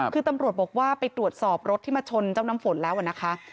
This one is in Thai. คือตำรวจบอกว่าไปตรวจสอบรถที่มาชนเจ้าน้ำฝนแล้วนะคะ